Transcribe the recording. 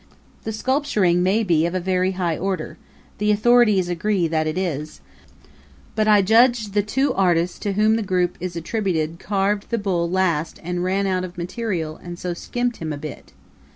The sculpturing may be of a very high order the authorities agree that it is but I judge the two artists to whom the group is attributed carved the bull last and ran out of material and so skimped him a bit.